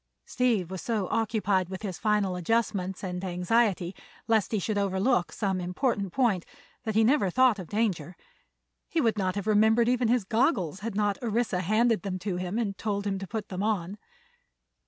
Steve was so occupied with his final adjustments and anxiety lest he should overlook some important point, that he never thought of danger. He would not have remembered even his goggles had not Orissa handed them to him and told him to put them on.